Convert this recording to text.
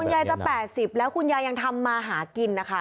ยายจะ๘๐แล้วคุณยายยังทำมาหากินนะคะ